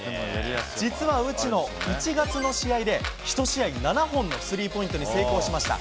実は内野、１月の試合で１試合７本のスリーポイントに成功しました。